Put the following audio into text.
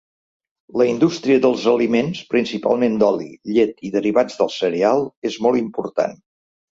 La indústria dels aliments, principalment d'oli, llet i derivats del cereal és molt important.